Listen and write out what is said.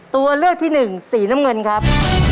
ตัวเลือกที่หนึ่งสีน้ำเงินครับ